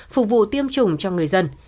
phục vụ tiêm chủng cho người dân